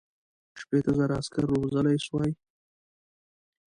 شپېته زره عسکر روزلای سوای.